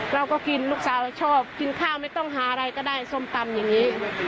เราก็กินลูกสาวเราชอบกินข้าวไม่ต้องหาอะไรก็ได้ส้มตำอย่างนี้